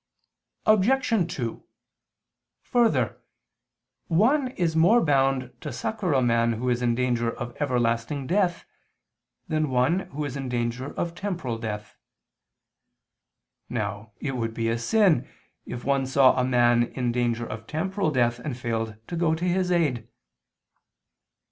Obj. 2: Further, one is more bound to succor a man who is in danger of everlasting death, than one who is in danger of temporal death. Now it would be a sin, if one saw a man in danger of temporal death and failed to go to his aid.